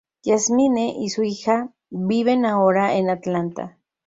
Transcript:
Jasmine y su hija viven ahora en Atlanta.